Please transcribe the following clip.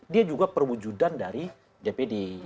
dia juga perwujudan dari dpd